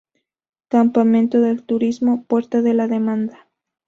Campamento de turismo "Puerta de la Demanda".